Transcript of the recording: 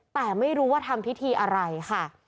แต่ไม่รู้ว่าทำพิธีอะไรค่ะ